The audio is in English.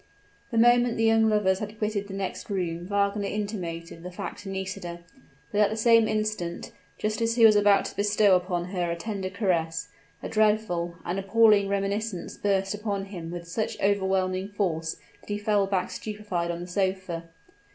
The moment the young lovers had quitted the next room Wagner intimated the fact to Nisida; but at the same instant, just as he was about to bestow upon her a tender caress, a dreadful, an appalling reminiscence burst upon him with such overwhelming force that he fell back stupefied on the sofa.